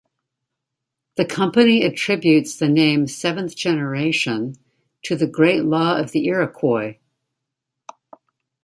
The company attributes the name "Seventh Generation" to the "Great Law of the Iroquois".